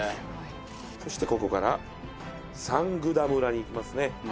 西村：そして、ここからサングダ村に行きますね。